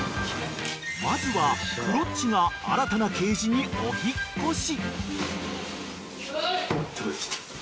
［まずはクロッチが新たなケージにお引っ越し］